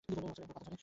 বছরে একবার পাতা ঝরে।